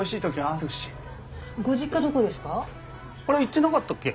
あれ言ってなかったっけ。